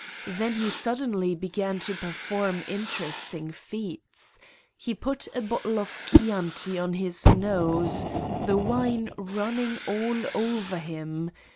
Then he suddenly began to perform interesting feats. He put a bottle of Chianti on his nose, the wine running all over him.